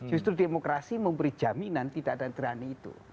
justru demokrasi memberi jaminan tidak ada berani itu